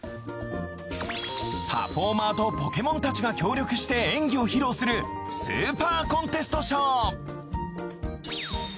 パフォーマーとポケモンたちが協力して演技を披露するスーパーコンテストショー。